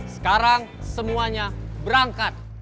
sekarang semuanya berangkat